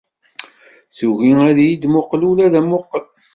Tugi ad yi-d-muqel ula d amuqel.